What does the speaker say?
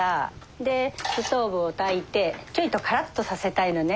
でストーブをたいてちょいとカラっとさせたいのね。